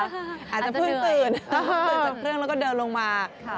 อาจจะเพิ่งตื่นตื่นจากเครื่องแล้วก็เดินลงมา